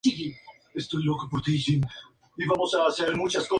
Cada zona elegiría a su equipo campeón, con sistemas de competición independientes.